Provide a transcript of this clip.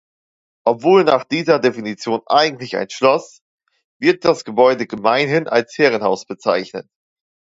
Obwohl nach dieser Definition eigentlich ein "Schloss", wird das Gebäude gemeinhin als "Herrenhaus" bezeichnet.